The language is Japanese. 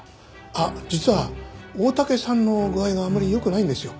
あっ実は大竹さんの具合があまり良くないんですよ。